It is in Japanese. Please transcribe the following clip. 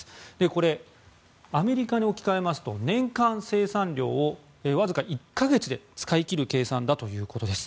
これ、アメリカに置き換えますと年間生産量をわずか１か月で使い切る計算だということです。